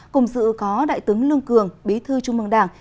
cùng dự có đại tướng lương cường bí thư trung mương đảng